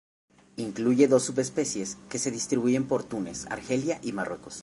Incluye dos subespecies, que se distribuyen por Túnez, Argelia y Marruecos.